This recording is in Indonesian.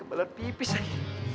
kebetulan pipis lagi